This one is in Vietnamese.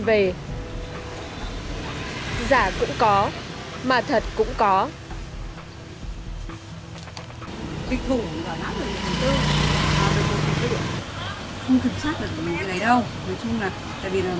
về ở giả cũng có mà thật cũng có à ở tịch vụ là hãng người hàng tư à à à à à ừ ừ ừ ừ ừ ừ ừ